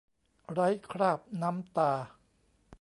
ไร้คราบน้ำตา